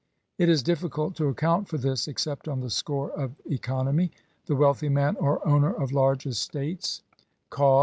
It is difficult to account for this except on the score of economy. The wealthy man or owner of large estates caused J Q Q O O o O >■< OS £ CO